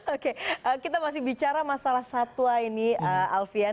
oke kita masih bicara masalah satwa ini alfian